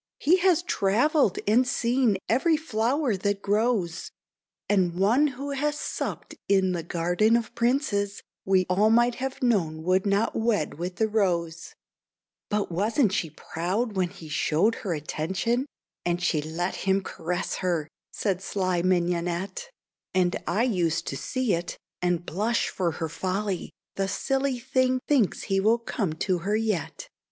"He has travelled and seen every flower that grows; And one who has supped in the garden of princes, We all might have known would not we with the Rose." "But wasn't she proud when he showed her attention? And she let him caress her," said sly Mignonette; "And I used to see it and blush for her folly. The silly thing thinks he will come to her yet."